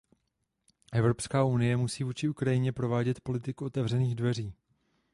Evropská unie musí vůči Ukrajině provádět politiku otevřených dveří.